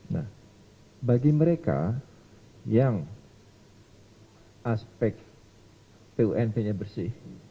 nah bagi mereka yang aspek punp nya bersih